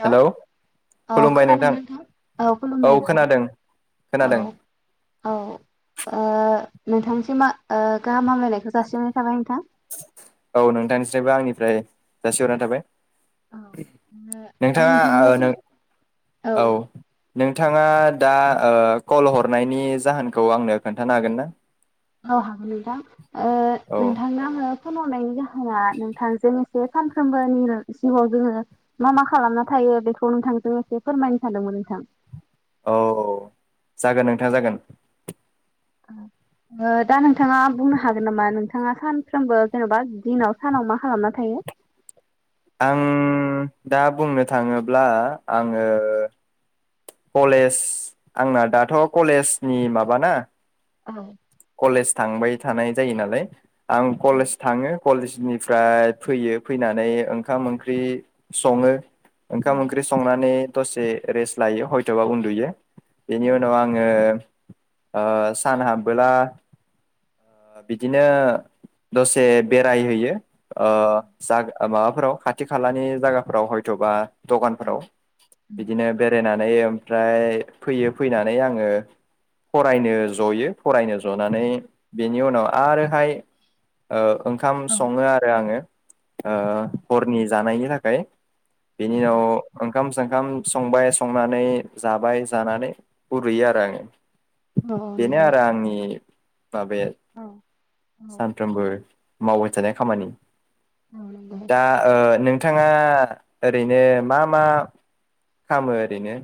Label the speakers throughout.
Speaker 1: हेल'
Speaker 2: hello
Speaker 1: औ खोनादों नोंथां? औ खुलुमबाय नोंथां
Speaker 2: खोनादों
Speaker 1: औ औ ओ नोंथांसिम मा ओ गाहाम हामग्लायनाय
Speaker 2: औ नोंथांनिस्रायबो आंनि फ्राय जासिहरना थाबाय।
Speaker 1: ओ
Speaker 2: नोंथाङा
Speaker 1: आं नोंथांनो
Speaker 2: आ नो
Speaker 1: फन
Speaker 2: औ नोंथाङा दा ओ कल हरनायनि जाहोनखौ आंनो खोन्थानो हागोन ना?
Speaker 1: औ हागोन ओ
Speaker 2: औ
Speaker 1: नोंथांनो आंङो फन हरनायनि जाहो होना नोंथांजों से सानफ्रोमबोनि जिउआव जोङो मा मा खालामना थायो बेखौ नोंथांजों एसे फोरमायनो सानदोंमोन नोंथां।
Speaker 2: औ औ जागोन नोंथां जागोन।
Speaker 1: अ ओ दा नोंथाङा बुंनो हागोन नामा नोंथाङा खानफ्रोमबो जेनेबा दिनाव सानाव मा खालामना थायो?
Speaker 2: आं दा बुंनो थाङोब्ला आङो कलेज आंना दाथ' कलेजनि माबा ना
Speaker 1: औ
Speaker 2: कलेज थांबाय थानाय जायो नालाय आं
Speaker 1: औ
Speaker 2: कलेज थाङो कलेजनि फ्राय फैयो फैनानै ओंखाम ओंख्रि संङो।
Speaker 1: औ
Speaker 2: ओंखाम ओंख्रि संनानै दसे रेस लायो हयथ'बा उन्दुयो। बिनि उनाव आंङो ओ सान हाबबोला ओ बिदिनो दसे बेरायहैयो। ओ जाग माबा फोराव खाथि खालानि जागाफोराव हयथ'बा
Speaker 1: औ
Speaker 2: दखानफोराव बिदिनो बेरायना ओमफ्राय फैयो फैनानै आङो फरायनो जयो। फरायनो जनानै बेनि उनाव आरोहाय ओ ओंखाम
Speaker 1: औ
Speaker 2: सङो आरो आङो ओ
Speaker 1: औ
Speaker 2: हरनि जानायनि थाख [unintelligible]
Speaker 1: औ
Speaker 2: बिनि उनाव ओंखामजों खाम संबाय स संनानै जाबाय जानानै उरुयो आरो आङो।
Speaker 1: औ
Speaker 2: बेनो
Speaker 1: नंगौ
Speaker 2: आरो आंनि माबाया
Speaker 1: औ
Speaker 2: सानफ्रोमबो मावबाय जानाय खामानि।
Speaker 1: नंगौ
Speaker 2: दा ओ नों नोंथाङा ओरैनो मा मा खामो? बेनो।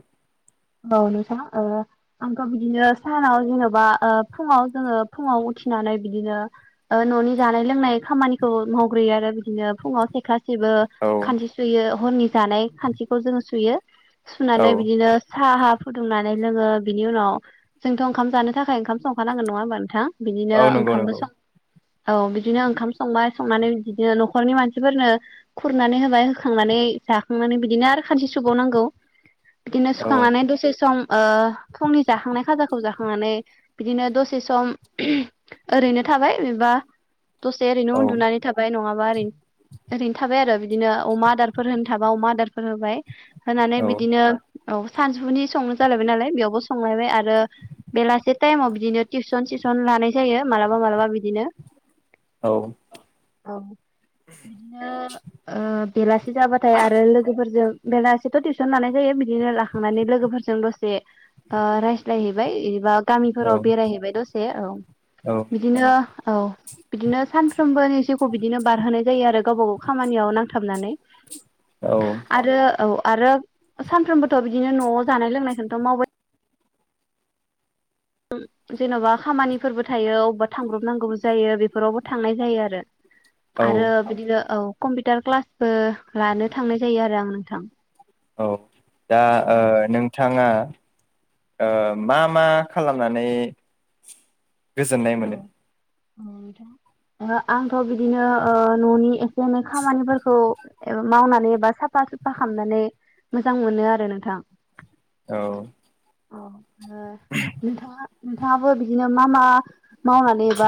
Speaker 1: औ नोंथां ओ आंथ' बिदिनो सानाव जेन'बा ओ फुङाव जोङो फुङाव उथिनानै बिदिनो ओ न'नि जानाय लोंनाय खामानिखौ मावग्रोयो आरो बिदिनो फुङाव सेखा सिबो
Speaker 2: औ
Speaker 1: खानसि सुयो। हरनि जानाय खानसिखौ जोङो सुयो।
Speaker 2: औ
Speaker 1: सुनानै बिदिनो साहा फुदुंनानै लोङो बिनि उनाव जोंथ' ओंखाम जानो थाखाय ओंखाम संखानांगोन नङा होमबा नोंथां? बिदिनो
Speaker 2: औ नंगौ
Speaker 1: ओंखामबो
Speaker 2: नंगौ
Speaker 1: सं औ बिदिनो ओंखाम संबाय संनानै बिदिनो न'खरनि मानसिफोरनो खुरनानै होबाय होखांनानै जाखांनानै बिदिनो आरो खानसि सुगावनांगौ बिदिनो
Speaker 2: औ
Speaker 1: संनानै दसे सम ओ फुंनि जाखांनाय खाजाखौ जाखांनानै बिदिनो दसे सम [unintelligible] ओरैनो थाबाय बेबा दसे ओरैनो
Speaker 2: औ
Speaker 1: उन्दुनानै थाबाय नङा बा ओरै ओरैनो थाबाय आरो बिदिनो अमा आदारफोर होनो थाबा अमा आदारफोर होबाय होनानै
Speaker 2: औ
Speaker 1: बिदिनो औ सानजौफुनि संनो जालायबाय नालाय बेयावबो संलायबाय आर ओ बेलासे थायेमाव बि बिदिनो टिउसन सिउसन लानाय जायो मालाबा मालाबा बिदिनो।
Speaker 2: औ।
Speaker 1: औ। बिदिनो ओ बेलासि जाबाथाय आरो लोगोफोरजों बेलासेथ' टिउसन लानाय जायो मि बिदिनो लाखांनानै लोगोफोरजों दसे ओ रायज्लायहैबाय एबा गामिफोराव बेरायहैबाय दसे औ
Speaker 2: औ
Speaker 1: बिदिनो औ बिदिनो सान सानफ्रोमबोनि जिउखौ बिदिनो बारहोनाय जायो आरो। गावबा गाव खामानियाव नांथा खालामनानै। आरो औ आरो सानफ्रोमबोथ' बिदिनो न'आव जानाय लोंनायखौथ' मावबाय उम जेन'बा खामानिफोरबो थायो अबावबा थांब्रबनांगौबो जायो बेफोरावबो थांनाय जायो आरो।
Speaker 2: औ
Speaker 1: आरो बिदिनो औ। कम्पिटार क्लासबो लानो थांनाय जायो आरो आं नोंथां।
Speaker 2: औ। दा ओ
Speaker 1: औ
Speaker 2: नोंथाङा ओ
Speaker 1: औ
Speaker 2: मा मा। खालामनानै। गोजोननाय
Speaker 1: औ
Speaker 2: मोनो।
Speaker 1: आंथ बिदिनो ओ ननि। जेनै खामानिफोरखौ। मावनानै एबा साफा सुफा खालामामनानै मोजां मोनो आरो नोंथां।
Speaker 2: औ।
Speaker 1: औ। ओ नोंथाङा। नोंथाङाबो बिदिनो मा मा। मावनानै बा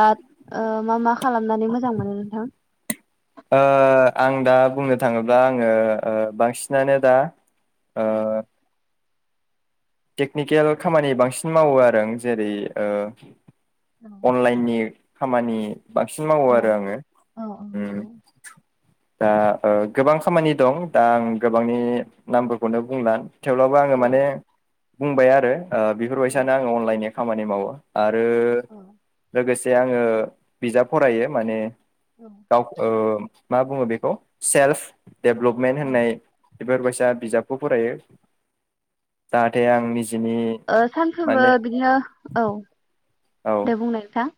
Speaker 1: मा मा खालामनानै मोजां मोनो नोंथां।
Speaker 2: ओ आं दा बुंनो थाङोब्ला आङो ओ बांसिनानो दा। ओ। टेकनिकेल खामानि बांसिन मावो आरो आं जेरै ओ। अनलाइननि। खामानि। बांसिन मावो
Speaker 1: औ
Speaker 2: आरो आङो।
Speaker 1: औ औ नंगौ
Speaker 2: दा ओ गोबां खामानि दं दा आं गोबांनि नामफोरखौनो बुंला। थेवब्लाबो आङो
Speaker 1: औ
Speaker 2: माने। बुंबाय आरो। ओ
Speaker 1: औ
Speaker 2: बेफोरबायसानो आं अनलाइननि। खामानि मावो। आरो
Speaker 1: औ
Speaker 2: लोगोसे। जे आङो बिजाब फरायो माने। [unintelligible] मा बुङो बेखौ सेल्फ। डेभ्लपमेन्ट
Speaker 1: औ
Speaker 2: होननाय। बेफोरबायसा बिजाबखौ फरायो। जाहाथे आंनि।
Speaker 1: ओ सानफ्रोमबो बिदिनो औ।
Speaker 2: औ
Speaker 1: दे बुंनाय नोंथां।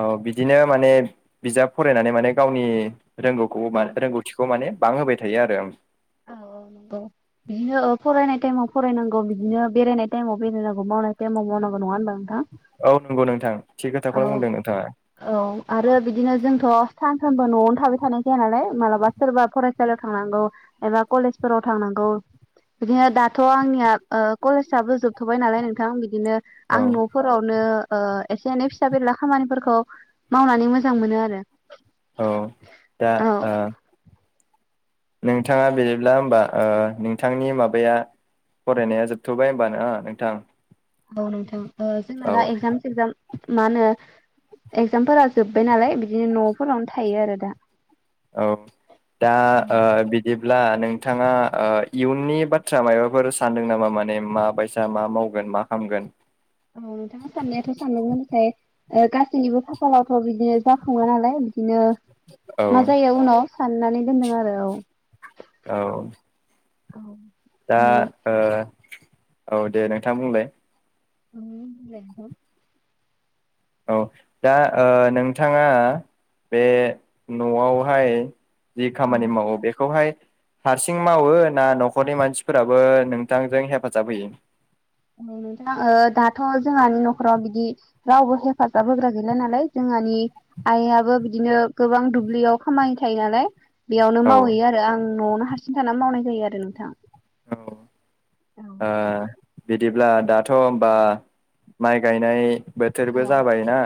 Speaker 2: औ बिदिनो माने बिजाब फरायनानै माने गावनि। रोंगौखौ
Speaker 1: औ
Speaker 2: म रोंगौथिखौ माने। बां होबाय थायो आरो।
Speaker 1: औ औ नंगौ बिदिनो फरायनाय टाइमाव फरायनांगौ बिदिनो बेरायनाय टाइमाव बेरायनांगौ मावनाय टाइमाव मावनांगौ नङा होनबा? थां
Speaker 2: औ नंगौ नोंथां थि खोथाखौनो
Speaker 1: औ
Speaker 2: बुंदों नोंथाङा
Speaker 1: औ आरो बिदिनो जोंथ' सान। सानबा न'आवनो थाबाय थानाय जाया नालाय मालाबा सोरबा फरायसालियाव थांनांगौ। एबा कलेजफोराव थांनांगौ बिदिनो दाथ' आंनिया ओ कलेजाबो जोबथ'बाय नालाय नोंथां बिदिनो।
Speaker 2: औ
Speaker 1: आं न'फोरावनो। ओ एसे एनै फिसा बेरला खामानिफोरखौ मावनानै मोजां मोनो आरो।
Speaker 2: औ दा
Speaker 1: औ
Speaker 2: ओ नोंथाङा बिदिब्ला होमबा ओ नोंथांनि माबाया फरायनाया जोबथ'बाय होमबा ना? नोंथां
Speaker 1: औ नोंथां। ओ जोंना
Speaker 2: औ
Speaker 1: दा एक्जाम सेक्जाम। मा होनो एगजामफोरा जोब्बाय नालाय बिदिनो न'फोरावनो थायो आरो दा।
Speaker 2: औ दा
Speaker 1: औ
Speaker 2: ओ बिदि। ब्ला नोंथाङा ओ इयुननि बाथ्रा मायबाफोर सानदों नामा माने मा बायसा मा मावगोन मा खालामगोन?
Speaker 1: औ नोंथाङा साननायाथ' सानदोंमोन नाथाय ओ गासैनिबो खाफालावथ' बिदिनो जाखाफुङा नालाय बिदिनो।
Speaker 2: औ
Speaker 1: मा जायो उनाव। साननानै दोनदों आरो औ।
Speaker 2: औ।
Speaker 1: औ।
Speaker 2: दा
Speaker 1: औ
Speaker 2: ओ औ दे नोंथां बुंलाय।
Speaker 1: थाबनो लेंहर।
Speaker 2: औ दा ओ नोंथाङा बे न'आवहाय। जि खामानि मावो बेखौहाय। हारसिं मावो ना न'खरनि मानसिफोराबो नोंथांजों हेफाजाब होयो?
Speaker 1: नो नोंथां ओ दाथ' जोंहानि न'खराव बिदि रावबो हेफाजाब होग्रा गैला नालाय जोंहानि आइयाबो बिदिनो गोबां दुब्लियाव खामानि थायो नालाय। बेयावनो
Speaker 2: औ
Speaker 1: मावहैयो आरो आं न'आवनो। हारसिं थाना मावनाय जायो आरो नोंथां।
Speaker 2: औ।
Speaker 1: औ
Speaker 2: ओ बिदिब्ला दाथ' होमबा माइ गायनाय। बोथोरबो
Speaker 1: औ
Speaker 2: जाबाय ना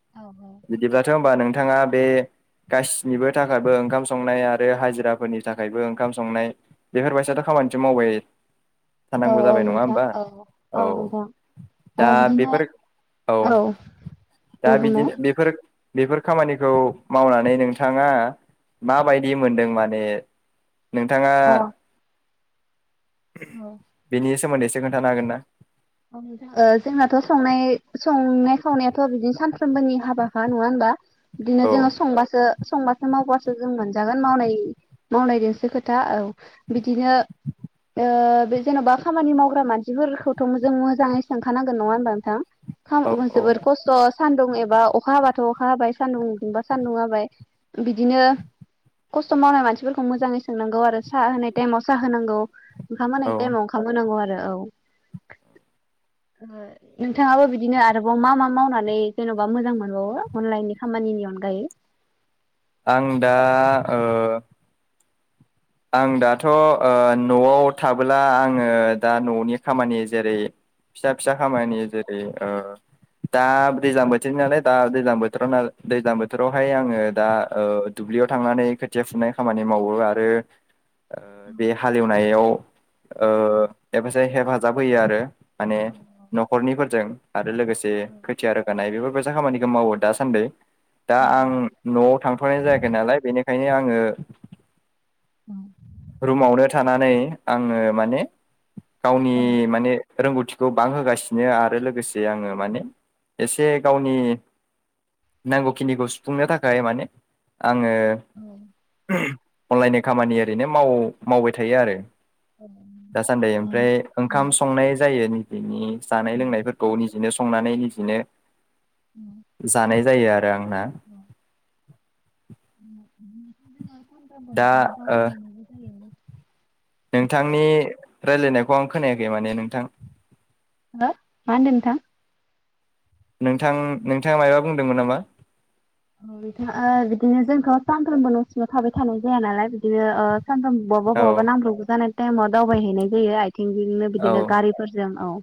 Speaker 1: औ
Speaker 2: बिदिब्लाथ'। [unintelligible] नोंथाङा बे गासिनिबो थाखायबो ओंखाम संनाय आरो हाजिराफोरनि थाखायबो ओंखाम संनाय बेफोरबायसयाथ' खामानिथ मावबाय।
Speaker 1: औ
Speaker 2: थनांगौ
Speaker 1: औ
Speaker 2: जाबाय नङा
Speaker 1: नोंथां
Speaker 2: होमबा
Speaker 1: औ
Speaker 2: औ
Speaker 1: ओ
Speaker 2: दा
Speaker 1: बिदिनो
Speaker 2: बेफोर औ दा
Speaker 1: दे बुंनाय
Speaker 2: बिदिनो बेफोर। बेफोर खामानिखौ मावनानै नोंथाङा माबायदि मोनदों माने? नोंथाङा।
Speaker 1: औ
Speaker 2: बेनि सोमोन्दै एसे खोन्थानो हागोन ना?
Speaker 1: ओ जोंनाथ' संनाय संनाय खावनायाथ' बिदिनो सानफ्रोमबोनि हाबाखा नङा होनबा? बिदिनो
Speaker 2: औ
Speaker 1: जोङो संबासो संबासो मावबासो जों मोनजागोन मावनाय मावनायजोंसो खोथा औ बिदि बिदिनो ओ बे जेनबा खामानि मावग्रा मानसिफोरखौथ' मोन जों मोजाङै सोंखानांगोन नङा होनबा नोंथां?
Speaker 2: औ
Speaker 1: [unintelligible]
Speaker 2: औ
Speaker 1: जोबोर खस्थ' सान्दुं एबा अखा हाबाथ' अखा हाबाय सान्दुं दुंबा सान्दुं हाबाय बिदिनो खस्थ' मावनाय मानसिफोरखौ मोजाङै सोंनांगौ आरो साहा होनाय टाइमाव साहा होनांगौ। ओंखामा
Speaker 2: औ
Speaker 1: होनाय टाइमाव ओंखाम होनांगौ आरो। औ। नोंथाङाबो बिदिनो आरोबाव मा मा मावनानै जेनबा मोजां मोनबावो अनलाइननि खामानिनि अनगायै?
Speaker 2: आं दा ओ आं दाथ' ओ न'आव थाबोला आङो दा न'नि खामानि जेरै फिसा फिसा खामानि जेरै ओ दा दैज्लां बोथोरनि नालाय दा दैज्लां बोथोराव दैज्लां बोथोरावहाय आङो दा ओ दुब्लियाव थांनानै खोथिया फुनाय खामानि मावो आरो ओ बे हालेवनायाव ओ हेफाजाय हेफाजाब होयो आरो। माने न'खरनिफोरजों। आरो लोगोसे खोथिया रोगानाय बेफोर बे बायसा खामानिखौ मावो दा सान्दै। दा आं न'आव थांथनाय जायाखै नालाय बेनिखायनो आं आङो रुमावनो थानानै आङो माने गावनि माने रोंगौथिखौ बांहोगासिनो आरो लोगोसे आङो माने एसे गावनि नांगौखिनिखौ सुफुंनो थाखाय माने आङो अनलाइन खामानिया ओरैनो माव मावबाय थायो आरो। दासान्दि ओमफ्राय ओंखाम संनाय जायो। बिनि जानाय लोंनायफोरखौ निजेनो संनानै निजिनो जानाय जायो आरो। दा आंना
Speaker 1: हो
Speaker 2: दा ओ
Speaker 1: [unintelligible]
Speaker 2: नोंथांनि रायलायनायखौ आं खोनायाखै माने नोंथां।
Speaker 1: हो मा होनदों नोंथां?
Speaker 2: नोंथां नोंथाङा मायबा बुंदोंमोन नामा?
Speaker 1: थाङा बिदिनो जोंथ' सानफ्रोमबो न'सिंआव थाबाय थानाय जाया नालाय बिदिनो ओ सानथोम बहाबा
Speaker 2: औ
Speaker 1: बहाबा नांब्रोबगौ जानाय टाइमाव दावबाय हैनाय जायो आइ थिंजोंनो
Speaker 2: औ
Speaker 1: बिदिनो गारिफोरजों औ ओ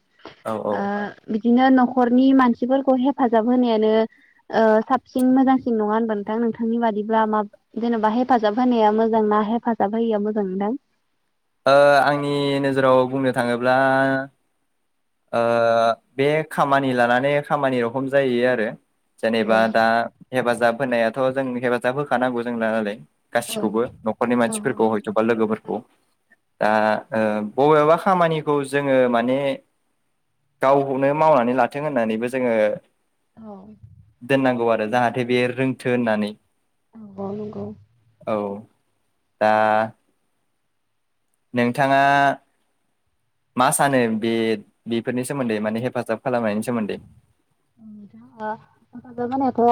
Speaker 2: औ औ ओ
Speaker 1: बिद बिदिनो न'खरनि मानसिफोरखौ हेफाजाब होनायानो ओ साब सिन मोजांसिन नङा होनबा नोंथां? नोंथांनि बादिब्ला मा जेनेबा हेफाजाब होनाया मोजांना हेफाजाब होयिया मोजां नोंथां?
Speaker 2: ओ आंनि नोजोराव बुंनो थाङोब्ला ओ बे खामानि लानानै खामानि रखम जायो आरो। जेनेबा दा हेफाजाब होनोनायाथ' जों हेफाजाब होखानांगौ जोंना नालाय। गासिखौबो न'खरनि मानसिफोरखौ हयथ'बा लोगोफोरखौ। दा ओ बबेबा खामानिखौ जोङो माने गावखौनो मावनानै लाथों होननानैबो जोङो [inaudible] दोननांगौ जाहाथे बियो रोंथो होननानै
Speaker 1: औ औ नंगौ।
Speaker 2: औ दा नोंथाङा [inaudible] मा सानो बे बिफोरनि सोमोन्दै माने हेफाजाब खालामनायनि सोमोन्दै
Speaker 1: [inaudible] उम दा ओ हेफाजाब होनायाथ' ओ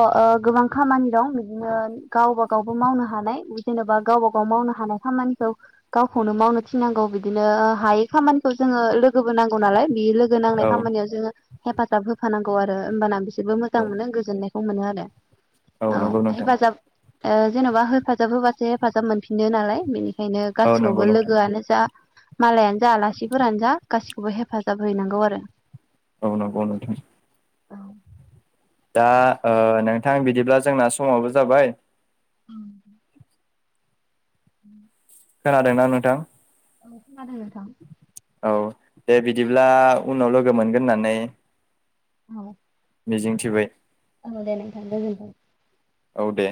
Speaker 1: गोबां खामानि दं बिदिनो गावबा गावबो मावनो हानाय जेनबा गावबा गाव मावनो हानाय खामानिखौ गावखौनो मावनो थिननांगौ बिदिनो हायै खामानिखौ जोङो लोगोबो नांगौ नालाय बे लोगो नांनाय
Speaker 2: औ
Speaker 1: खामानियाव जोङो हेफाजाब होफानांगौ आरो होमबाना बिस बो
Speaker 2: औ
Speaker 1: मोजां मोनो गोजोन्नाय खौ मोनो आरो। औ
Speaker 2: नंगौ नोंथां
Speaker 1: हेफाजाब ओ जेनबा हेफाजाब होबासो हेफाजाब मोनफिननो नालाय बेनि खायनो
Speaker 2: औ नंगौ
Speaker 1: गासिबावबो
Speaker 2: नोंथां
Speaker 1: लोगोआनो जा मालायानो जा आलासिफोरानो जा गासिखौबो हेफाजाब हैनांगौ आरो।
Speaker 2: औ नोंगौ नोंथां‌।
Speaker 1: औ।
Speaker 2: दा ओ नोंथां बिदिब्ला जोंना समावबो जाबाय।
Speaker 1: उम
Speaker 2: खोनादोंना नोंथां?
Speaker 1: औ खोनादों नोंथां।
Speaker 2: औ दे बिदिब्ला उनाव लोगो मोनगोन होननानै
Speaker 1: औ
Speaker 2: मिजिं थिबाय औ दे